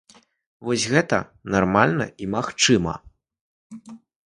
Вось гэта нармальна і магчыма.